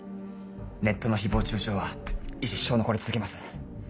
ネットの誹謗中傷は一生残り続けます。